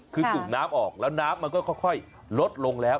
คือสูบน้ำออกแล้วน้ำมันก็ค่อยลดลงแล้ว